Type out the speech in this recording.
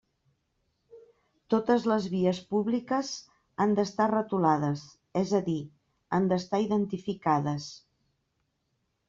Totes les vies públiques han d'estar retolades, és a dir, han d'estar identificades.